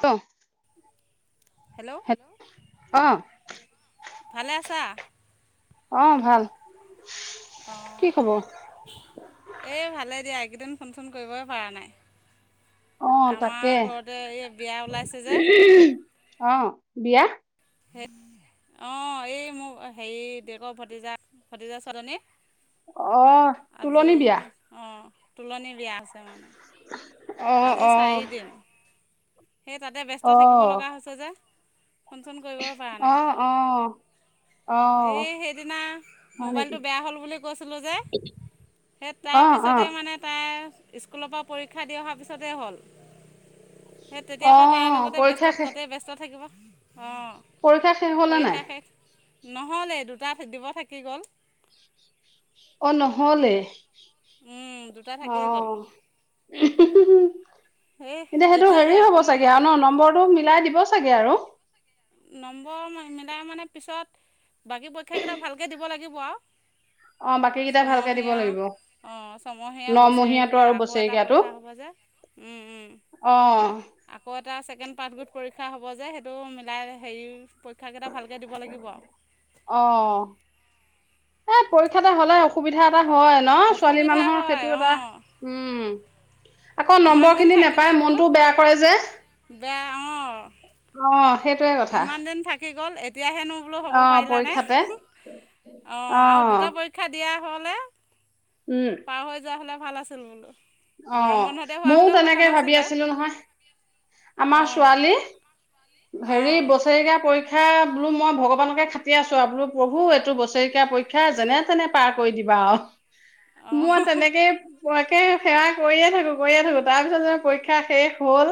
ক, হেল্ল'! অ, ভালে আছা? অ' ভাল। কি অ' খবৰ এ ভালে দিয়া। এইকেইদিন ফোন চোন কৰিবই পৰা নাই। আহ, আমাৰ তাকে ঘৰতে এই বিয়া ওলাইছে যে আহ বিয়া সেই অ' এই মোৰ হেৰি [unintelligible] ভতিজা ভতিজা ছোৱালীজনী। অ' আজি তুলনি বিয়া। অঁ তোলনি বিয়া আছে মানে। আহ, আজি আহ। চাৰিদিন সেই তাতে ব্যস্ত থাকিব লগা হৈছে যে। ফোন চোন কৰিবই পৰা নাই অ' অ' অ এই সেইদিনা হয় নেকি মোবাইলটো বেয়া হ'ল বুলি কৈছিলোঁ যে। সেই অ অ তাৰপিছতে মানে তাই। স্কুলৰ পৰা পৰীক্ষা দি অহাৰ পিছতেই হ'ল। সেই অ তেতিয়া পা তাৰ লগতে পৰীক্ষা ব্যস্ত শেষ তাতে ব ব্যস্ত থাকিব। অঁ পৰীক্ষা শেষ হল নে নাই। নহ'লে দুটা দিব থাকি গ'ল। অ' নহ'লে উম, দুটা অ' থাকিয়ে গ'ল সেই এতিয়া সেইটো এতিয়াহে হেৰি হ'ব অকণমান চাগে আৰু ন নম্বৰটো মিলাই দিব চাগে আৰু। নম্বৰ মিলাই মানে পিছত বাকী পৰীক্ষাকেইটা ভালকৈ দিব লাগিব আৰু। অ বাকী কেইটা ভালকে দিব লাগিব। অ' ছমহীয়া নমহীয়াটো বছেৰেকীয়া আৰু আকৌ এটা বছেৰেকীয়াটো পৰীক্ষা হব যে। উম- অ উম আকৌ এটা। এটা ছেকেণ্ড পাৰ্ট গোট পৰীক্ষা হ'ব যে সেইটো মিলাই হেৰি পৰীক্ষেইটা ভালকৈ দিব লাগিব আও। অ এ পৰীক্ষাতে হ'লে অসুবিধা এটা। হয় ন' ছোৱালী অসুবিধা মানুহৰ হয় সেইটো এটা অঁ উম। আকৌ ইমান নম্বৰ দিন খিনি থাকিলে নেপায় বোলো মনটোও বেয়া কৰে যে বেয়া অঁ অ' সেইটোয়ে কথা ইমান দিন থাকি গ'ল এতিয়াহেনো বোলো হ'ব অ পাৰিলানে। পৰীক্ষাতে অ অ' আৰু দুটা পৰীক্ষা দিয়া হ'লে উম পাৰ হৈ যোৱা হ'লে ভাল আছিল বোলো। গৰম অ' বন্ধতে হোৱা ময়ো হ'লেও কথা তেনেকে ভাবি নাছিলে আছিলো নহয়। আমাৰ অঁ ছোৱালী হেৰি অঁ বছৰেকীয়া পৰীক্ষা। পৰীক্ষা বোলো মই ভগৱানকে খাতি আছো আৰু বোলো প্ৰভু এইটো বছৰেকীয়া পৰীক্ষা যেনে তেনে পাৰ কৰি দিবা আও। অঁ মোৰ তেনেকেই পাকে সেৱা কৰিয়ে থাকো কৰিয়ে থাকো তাৰপিছত যে পৰীক্ষা শেষ হ'ল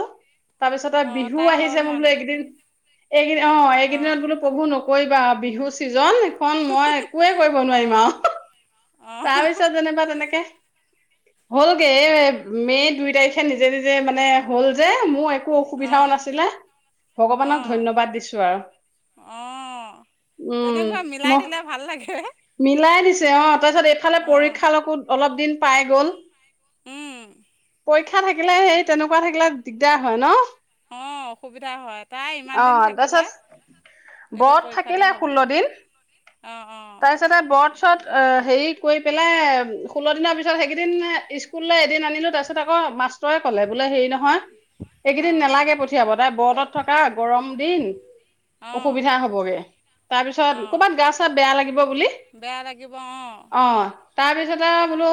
তাৰপিছত আও অঁ বিহু তাই হ'ল আহিছে মই মানে বোলো এককেইদিন এইদ অ অঁ এইকেইদিনত বোলো প্ৰভু নকৰিবা আও বিহু ছিজন খন মই একোৱে কৰিব নোৱাৰিম অঁ আও, অঁ তাৰপিছত যেনেবা তেনেকে হ'লগে এই মে দুই তাৰিখে নিজে নিজে মানে হ'ল যে মোৰ একো অসুবিধাও অঁ নাছিলে ভগৱানক অঁ ধন্যবাদ দিছো আৰু। অঁ উম তেনেকুৱা ম মিলাই দিলে ভাল লাগে মিলাই দিছে অ তাৰপিছত এইফালে অঁ পৰীক্ষালকো অলপ দিন পাই গ'ল। উম। পৰীক্ষা থাকিলে সেই তেনেকুৱা থাকিলে দিগদাৰ হয় ন? অ অসুবিধা হয় তাই ইমান অ দিন থাকিলে তাৰপিছত ব্ৰত থাকিলে ষোল্ল দিন অ অ তাৰপিছতে বৰত তাৰপাছত হেৰি কৰি পেলাই ষোল্ল দিনৰ পিছত সেইকদিন স্কুললৈ এদিন আনিলোঁ তাৰপিছত আকৌ মাষ্টৰে ক'লে বোলে হেৰি নহয় এইকেইদিন অঁ নেলাগে পঠিয়াব তাই বদত থকা গৰম দিন অঁ অসুবিধা হবগে তাৰ পিছত অঁ কৰ'বাত গা চা বেয়া লাগিব অ বেয়া লাগিব অঁ তাৰপিছত বোলো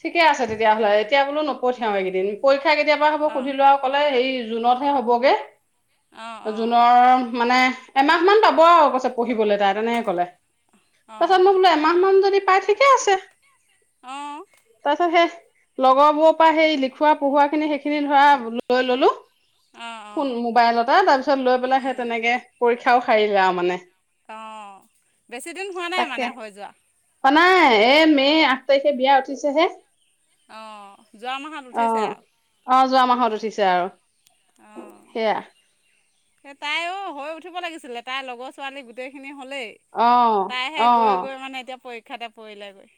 ঠিকে আছে তেতিয়াহ'লে এতিয়া বোলো নপঠিয়াও এইকেইদিন পা কেতিয়াবা হ'ব অঁ সুধিলো আৰু ক'লে সেই জুনত হে হ'বগে অঁ জুনৰ অঁ মানে এমাহ মমান পাব আৰু কৈছে পঢ়িবলে তাই তেনেকে কলে তাৰপাছত অঁ মই বোলো এমাহ মান যদি পাই ঠিকে আছে অঁ তচ সে লগৰবোৰৰ পৰা সেই লিখোৱা পোহোৱা খিনি সেইখিনি ধৰা লৈ ললো অঁ ফোন অঁ মোবাইলত তাৰ পিছত লৈ পেলাই সেই তেনেকে পৰীক্ষাও সাৰিলে আৰু মানে অ বেছিদিন হোৱা নাই মানে হৈ যোৱা হোৱা নাই এ মে আঠ তাৰিখে বিয়া উঠিছেহে অঁ যোৱা মাহত উঠিছে আহ আৰু আহ যোৱা মাহত উঠিছে আৰু আহঁ সেয়া এ তাইও হৈ উঠিব লাগিছিলে তাইৰ লগৰ ছোৱালী গোটেই খিনি হলেই অ তাইহে অ গৈ গৈ মানে এতিয়া পৰীক্ষাতে পৰিলেগৈ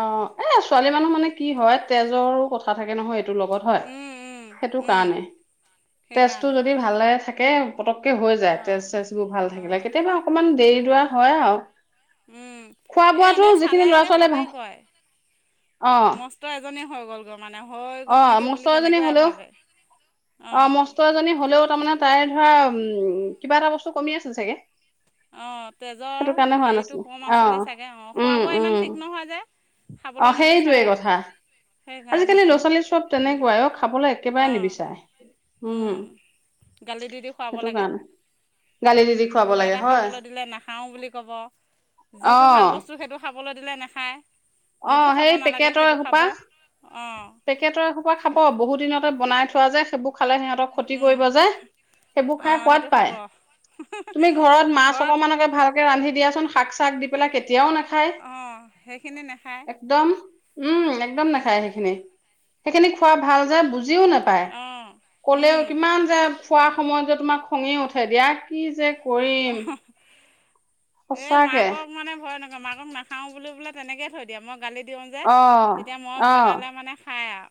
অ এ ছোৱালী মানুহ মানে কি হয় তেজৰো কথা থাকে নহয় সেই কাৰ সেইকাৰণে য ভাল থাকে পতককে হৈ যায় অঁ তেজ চজ বোৰ ভাল থাকিলে অঁ কেতিয়াবা অকণমান দেৰি দৰা হয় আৰু উম খোৱা এ বোৱাতো এনেই যিখিনি চালে ল'ৰা ছোৱালীয়ে ভাল চবেই কয় অ মস্ত এজনী হৈ গ'লগৈ মানে হৈ অ গ'ল নেকি মস্ত বুলি এজনী তেনেকুৱাই হলেও ভাবে অ অঁ মস্ত এজনী হলেও তাৰমানে তাই ধৰা উম কিবা এটা বস্তু কমি আছে চাগে অ তেজৰ সেইটো কাৰণে হোৱা হেৰিতটো নাছিলে কম অ আছিলে চাগে অ খোৱা উম বোৱা ইমান উম ঠিক নহয় অ খাবলৈ সেইটোৱে নিবিচাৰে কথা সেইকাৰণে আজিকালি ল' ছোৱালী চব তেনেকুৱাই অ খাবলৈ একেবাৰে অঁ নিবিচাৰে উম গালি দি দি খুৱাব সেইটো লাগে কাৰণে গালি দি দি খুৱাব কিবা লাগে এটা হয় খাবলৈ দিলে নাখাওঁ বুলি ক'ব অ যিটো ভাল বস্তু সেইটো খাবলৈ দিলে নাখায় অ যিটো খাব সেই নালাগে পেকেটৰ সেইটো খাব এসোপা অঁ পেকেটৰ এসোপা খাব বহুত দনৰত সিহতে বনাই থোৱা য সেইবোৰ খালে সিহঁতক ক্ষতি কৰিব যায় সেইবোৰ খাই অঁ সোৱাদ সেইটো খাব পায় তুমি ঘৰত মাছ অকমানকে ভালকে ৰান্ধি দিয়াচোন শাক চাক দি পেলাই কেতিয়াও নাখ অ সেইখিনি নাই একদম উম একদম নাখায় সেইখিনি সেইখিনি খোৱা ভাল যে বুজি যিও নাপায় কলেও কিমান যে খোৱা সময়ত যে তোমাক খঙি উঠে দিয়াক কি যে কৰিম এ সঁচাকে মাকক মানে ভয় নকয় মাকক নাখাও বুলি বোলে তেনেকে থৈ দিয়া মই গালি দিওঁ যে অ তেতিয়া মই অ বনালে মানে খাই আৰু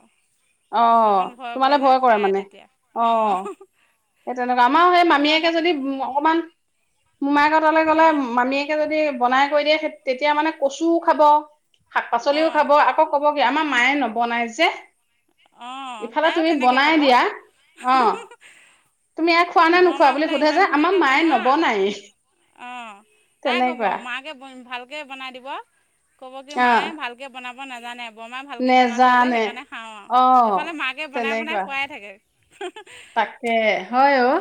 অ মোক অকণ ভয় কৰে যে খায় তেতিয়া অ সেই তেনেকুৱা আমাৰ সেই মামীয়েকে যদি অকমান মোমাই কটলে গ'লে অঁ মামীয়েকে য বনাই কৰি দিয়ে তেতিয়া মানে কচুও খাব শাক পাচলিও অঁ খাব আকৌ ক'ব আমাৰ মায়ে নবনাই যে আহ ইফালে তাইও তুমি তেনেকে বনাই কব দিয়া অ তুমি ই খোৱা না নোখোৱা বৰমা বুলি বোলে সোধে যে আমাৰ মায়ে নবনায়ে অ তাই কব তেনেকুৱা মাকে ভাল [unintelligible] বনাই দিব ক'ব কি অ মায়ে ভালকে বনাব নাজানে। বৰমা ভালকৈ বনাইছা যে নেজানে সেইকাৰণে খাওঁ অ আৰু এইফালে মাকে বনাই, বনাই তেনেকুৱা খোৱাই থাকে। তাকে হয় অ'।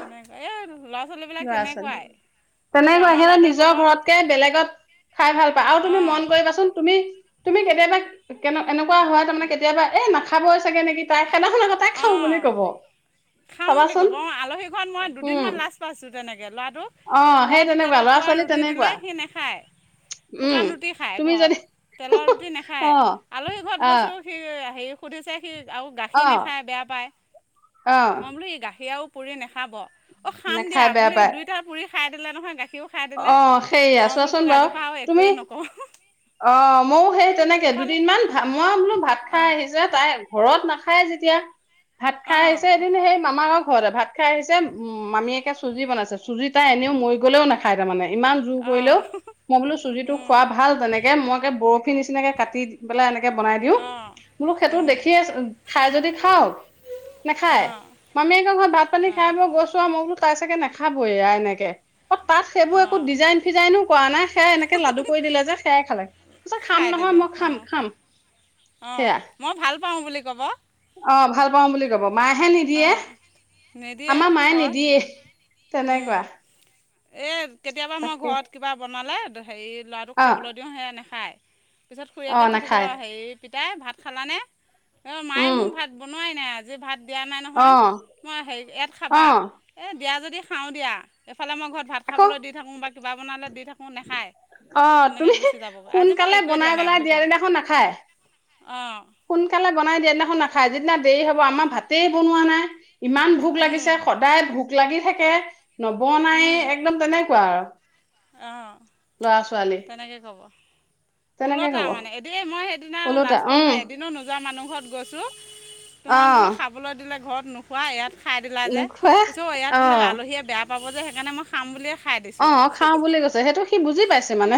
পাচলিবিলাক তেনেকুৱাই। আকৌ তেনেকৈ আমাৰ সি ল'ৰাটোৱে ক'ব নিজৰ ঘৰতকে বেলেগত খাই ভাল পায় আৰু তুমি অঁ মন কৰিবাচোন তুমি তুমি কেতিয়াবা কেনে এনেকুৱা হোৱা তাৰ মানে কেতিয়াবা এই নাখাবই চাগে নেকি তাই। সেইদিনাখন আকৌ তাই খাওঁ বুলি অ' কব খাম বুলি চাবাচোন ক'ব অ' আলহী ঘৰত মই উম দুদিনমান লাজ পাইছো। তেনেকৈ ল'ৰাটোক অ সেই ঘৰত তেনেকুৱা তেলত ল'ৰা পোৱা ছোৱালী ৰুটি দিলে তেনেকুৱা সি নাখায়। উম শুকান ৰুটি খায় তুমি ঘৰত যদি তেলৰ ৰুটি অ নাখায়, আলহী ঘৰত অ গৈছো সেই হেৰি সুধিছে সি আৰু অ গাখীৰ নাখায় বেয়া পায়, অ মই বোলো সি গাখীৰো আৰু পুৰি নাখাব অ' খাম দিয়া নাখাই বেয়া বুলি পায় দুইটা পুৰি খাই দিলে নহয়, গাখীৰো খাই দিলে, অ', সেইয়া মই বোলো চোৱাচোন তোক বাৰু আজিৰপা আৰু তুমি একোৱে নকও। অ' ময়ো সেই তেনেকে দুদিনমান মই বোলো ভাত খাই অঁ আহিছে তাই ঘৰ ঘৰত নাখায় যেতিয়া ভাত খাই আহিছে এদিন সেই মামা ঘৰতে ভাত খাই আহিছে, মামীয়েকে চুজি বনাইছে চুজি তাই এনেও মৰি গ'লেও নাখায় তাৰ মানে ইমান জোৰ অঁ কৰিলেও মই বোলো চুজিটো খোৱা ভাল তেনেকে মই একে বৰ নিচিনাকে কাটি পেলে এনেকে বনাই দিও অঁ বোলো সেইটো অঁ দেখিয়ে আছিলো খাই যদি খাওক নাখায় অঁ মামীয়েকৰে ঘৰত ভাত, পানী অঁ খাই বৈ গৈছো আৰু মই বোলো তাই চাগে নাখাব এয়া এনেকে অ' তাত সেইবোৰ একো অঁ ডিজাইন ফিজাইনো কৰা নাই, সেয়া এনেকে লাডু কৰি দিলে যে সেয়াই খালে, কৈছে খাম খাই নহয়, দিলে মই অঁ খাম-খাম সেয়া। পাও বুলি ক'ব। অ' ভাল পাওঁ বুলি ক'ব। মাহে নিদিয়ে, অঁ নিদিয়ে আমাৰ মায়ে ঘৰত নিদিয়ে তেনেকুৱা এ কেতিয়াবা মই তাকে ঘৰত কিবা বনালে হেৰি ল'ৰাটোক অ খাবলৈ দিও সেয়া নেখায়। পিছত অ খুৰীয়েকে সুধিব নাখায় হেৰি পিতাই ভাত খালানে, অ' মায়ে উম মোৰ ভাত বনোৱাই নাই। আজি ভাত দিয়া নাই অ নহয়, মই হেৰি ইয়াত অ খাবা এই দিয়া যদি খাও দিয়া, এইফালে মই ঘৰত ভাত আকৌ খাবলৈ দি থাকো বা কিবা বনালে দি থাকো। অ' তুমি যাবগৈ আজি মোক সোনকালে একোৱে বনাই দিয়া নাই পেলাই বুলি দিয়াৰ ক'ব দিনাখন নাখায়। সোনকালে বনাই দিয়া দিনাখন নাখায়, যিদিনা দেৰি হ'ব আমাৰ ভাতেই বনোৱা নাই ইমান ভোক লাগিছে, অঁ সদায় ভোক লাগি থাকে, নবনায়েই একদম তেনেকুৱা আৰু অহ ল'ৰা ছোৱালী তেনেকে ক'ব তেনেকে ওলতা কব মানে এদিন মই সেইদিনা ওলোটা লাজ পোৱা উম পৰা এদিনো নোযোৱা মানুহ ঘৰত গৈছো। অ তোমাৰ বোলো খাবলৈ দিলে ঘৰত নোখোৱা ইয়াত খাই দিলা যে, নোখোৱা কৈছে ইয়াত অ বোলে আলহীয়ে বেয়া পাব যে, সেইকাৰণে মই খাম বুলিয়ে খাই অ দিছো। খাওঁ বুলি কৈছে সেইটো সি বুজি পাইছে মানে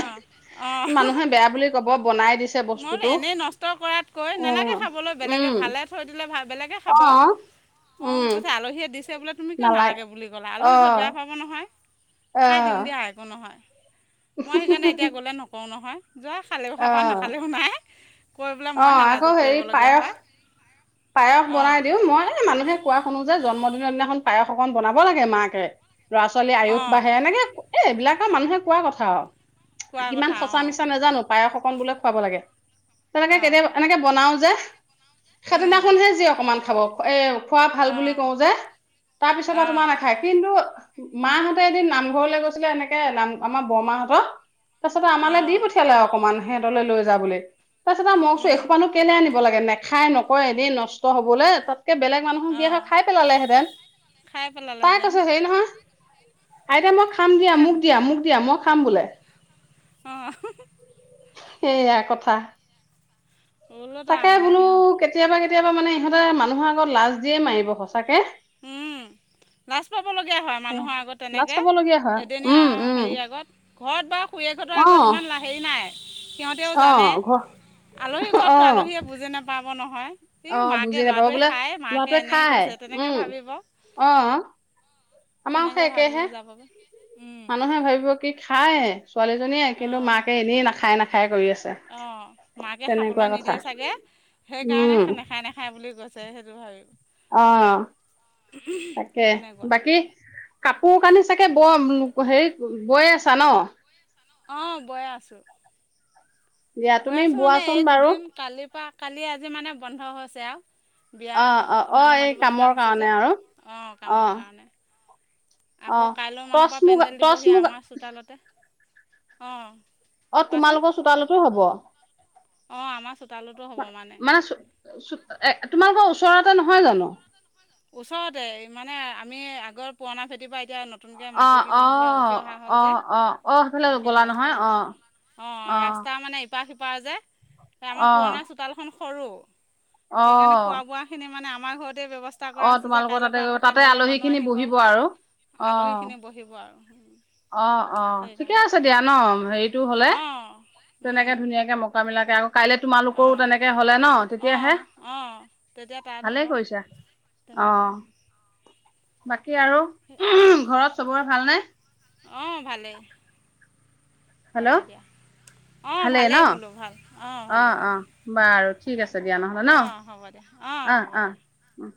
অঁ মানুহে বেয়া বুলি ক'ব বনাই দিছে মই বোলো বস্তুটো এনেই নষ্ট কৰাতকৈ অ নালাগে খাবলৈ, বেলেগে উম ভালে থৈ দিলে বেলেগে অ খাব। অ' উম কৈছে আলহীয়ে দিছে বোলে তুমি কিয় নালাগে বুলি ক'লা আলহী ঘৰত বেয়া পাব নহয়। অহ। অ' হয় মই সেইকাৰণে এতিয়া গ'লে নকৰো নহয়, যোৱা খালেও অ খাবা, নাখালেও নাই। কৰিবলে অ মইহে আকৌ লাজত হেৰি পৰিবলগীয়া পায়স হয়। পায়স বনাই অঁ দিও মই এই মানুহে কোৱা শুনো যে জন্ম জন্মদিনৰ দিনাখন পায়স অকন বনাব লাগে মাকে, ল'ৰা-ছোৱালী আয়ুস অঁ বাঢ়ে, এনেকে এই এইবিলাক এই মানুহে কোৱা কথা আৰু কোৱা কিমান কথা সঁচা-মিছা নাজানো, পায়স অকন বোলে খুৱাব লাগে। তেনেকে অঁ কেতিয়াবা এনেকে বনাও যে সেই অঁ দিনাখনহে যি অকণমান খাব এই খোৱা ভাল বুলি অঁ কও যে, তাৰ পিছৰ পৰা তোমাৰ অঁ নাখায় কিন্তু মাহঁতে এদিন নামঘৰলে গৈছিলে এনেকে নাম আমাৰ বৰমাহঁতৰ তাৰপিছত আমালে দি অঁ পঠিয়ালে অকমান, সিহঁতলৈ লৈ যা বুলি তাৰপিছত মই কৈছো এখোপানো কেলে আনি লাগে নেখায় নকয় এদিন নষ্ট হবলে তাত তিয়া বেলেগ মানুহক দিয়া অঁ হয় খায় পেলালেহেঁতেন, খাই তাই পেলালেহেঁতেন কৈছে হেৰি নহয় আইতা মই খাম দিয়া মোক দিয়া মোক দিয়া মই খাম বোলে। আহ। সেইয়া কথা। ওলত আৰু তাকে মানে বোলো সিহঁতৰ কেতিয়াবা কেতিয়াবা মানে ইহঁতে মানুহৰ আগত লাজ দিয়ে মাৰিব সচাকে। উম। লগীয়া হয় এ মানুহৰ আগত লাজ তেনেকে, পাবলগীয়া হয় এদিনীয়া উম আও হেৰি উম আগত ঘৰত বাও খুৰীয়েক হঁতৰ অ আগত ইমান লা হেৰি নাই সিহঁতেও অ জানে, ঘ আলহীৰ ঘৰতো অ আলহীয়ে বুজে নে পাব নহয়, ই অ মাকে বুজি নাপাব ল'ৰাটোৱে বোলে খায় মাকে ল'ৰাটোৱে এনেই খায় কৈছে তেনেকে উম ভাবিব। অ আমাৰো তেনেকৈ হেই ভাবি একেহে। যাবগৈ মানুহে ভাবিব কি খায় ছোৱালীজনীয়ে কিন্তু অঁ মাকে এনেই নাখায় নাখায়ে কৰি আছে। অঁ মাকে তেনেকুৱা খাবলৈ কথা নিদিয়ে চাগে উম সেইকাৰণে নাখায় নেখায় বুলি কৈছে, আ সেইটো ভাল, অঁ তাকে তেনেকুৱা বাকী? কাপোৰ কানি চাগে ব হেৰি বয়ে আছা ন? অঁ বয়ে আছোঁ। দিয়া বৈ তুমি আছো মানে বোৱাচোন এই বাৰু দুদিন কালিৰ পৰা কালি আজি মানে বন্ধ হৈছে আৰু। অ বিয়াত অ অ মানুহ এই মাতিব লগা কামৰ হৈছে কাৰণে যে আৰু অঁ অ কামৰ কাৰণে। অ আকৌ কাইলৈ মানৰ টচ পৰা মুগা পেণ্ডেল টচ দিবহি মুগা আমাৰ চোতালতে অঁ, অ কোৱাচোন তোমালোকৰ চোতালতো হব? অঁ আমাৰ চোতালতো হ'ব মানে এ তোমালোকৰ ওচৰতে নহয় জানো? ওচৰতে মানে আমি আগৰ পুৰণা খেতিৰ পৰা এতিয়া, নতুনকৈ মাটি অঁ কিনি অ পেলাই উঠি অহা হ'ল অ যে অঁ সেইফালে গ'লা একেভাগে নহয় অঁ, অঁ ৰাস্তা মানে ইপাৰ সিপা যে আমাৰ অ', পুৰণা চোতালখন সৰু- সেইকাৰণে খোৱা অ', বোৱা খিনি মানে আমাৰ ঘৰতে ব্যৱস্থা চেষ্টা কৰা অ', হৈছে যে তোমালোকৰ কাইলৈৰ তাতে পৰা গৈ আকৌ তাতে পেণ্ডেলৰ আলহী মানুহ খিনি আহিব বহিব আৰু। অ', আলহীখিনি বহিব আৰু অ অ ঠিকে সেইকাৰণে আছে দিয়া ন হেৰিটো হলে, অঁ তেনেকে ধুনীয়াকে মকা মিলাকে আৰু কাইলে তোমালোকৰো অঁ তেনেকে হলে ন, তেতিয়াহে, অঁ অঁ তেতিয়া টান হ'ব ভালেই কৰিছা তেনেকুৱা, অ', বাকী আৰু ঘৰত চবৰে ভাল নে? অঁ ভালেই হেল্ল' ভালেই। অঁ ভালেই বোলো ভাল ন অঁ ভালে দিয়া অঁ বাৰু ঠিক আছে দিয়া নহ'লে ন? অ হ'ব দিয়া। উম।